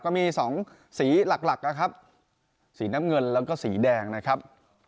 ก็มีสองสีหลักหลักนะครับสีน้ำเงินแล้วก็สีแดงนะครับ